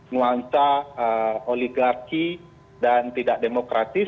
nuansa oligarki dan tidak demokratis